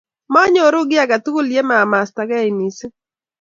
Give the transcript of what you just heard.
manyoru kiy age tugul ye ma masta gei mising